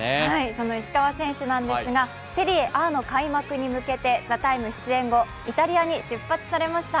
その石川選手なんですが、セリエＡの開幕へ向けて「ＴＨＥＴＩＭＥ，」出演後、イタリアに出発されました。